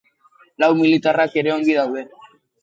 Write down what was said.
Lau militarrak ere ongi daude.